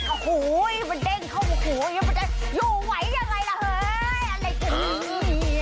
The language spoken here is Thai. โอ้โฮมันเด้งเข้ามาอยู่ไหวอย่างไรล่ะเฮ้ย